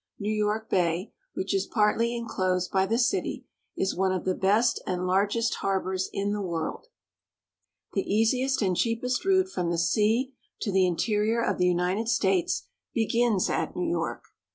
New York Bay, which is partly inclosed by the city, is one of the best and largest harbors in the world. The easiest and cheapest route from the sea to the inte rior of the United States begins at New York.